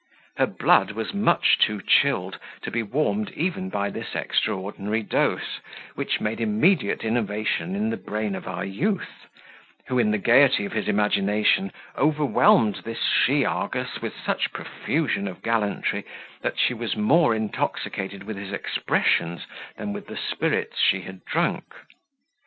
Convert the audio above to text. Her blood was too much chilled to be warmed even by this extraordinary dose, which made immediate innovation in the brain of our youth, who, in the gaiety of his imagination, overwhelmed this she Argus with such profusion of gallantry, that she was more intoxicated with his expressions than with the spirits she had drunk.